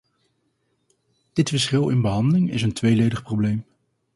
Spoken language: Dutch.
Dit verschil in behandeling is een tweeledig probleem.